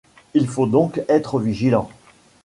Il faut donc être vigilant.